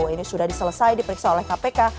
ini sudah diselesai diperiksa oleh kpk